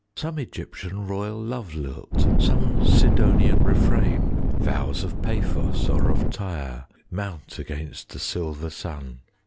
Some Egyptian royal love lilt, 5 Some Sidonian refrain, Vows of Paphos or of Tyre, Mount against the silver sun.